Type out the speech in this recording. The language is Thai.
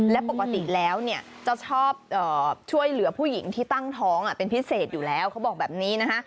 และปกติแล้วเนี่ยจะชอบช่วยเหลือผู้หญิงที่ตั้งท้องเป็นพิเศษอยู่แล้วเขาบอกแบบนี้นะฮะ